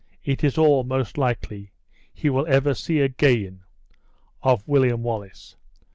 It is all, most likely, he will ever again see of William Wallace.